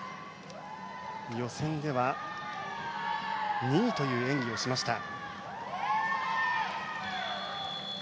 予選では２位という演技をしました。